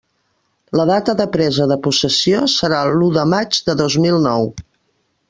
La data de presa de possessió serà l'u de maig de dos mil nou.